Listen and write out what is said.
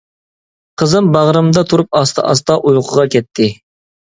قىزىم باغرىمدا تۇرۇپ ئاستا-ئاستا ئۇيقۇغا كەتتى.